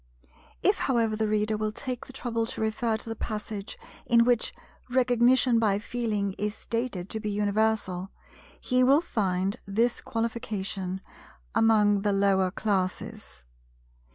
If however the Reader will take the trouble to refer to the passage in which Recognition by Feeling is stated to be universal, he will find this qualification—"among the lower classes."